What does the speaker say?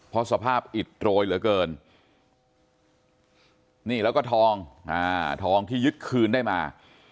เพราะสภาพอิดโรยเหลือเกินนี่แล้วก็ทองทองที่ยึดคืนได้มา